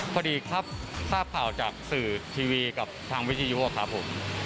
พอดีครับทราบข่าวจากสื่อทีวีกับทางวิทยุครับผม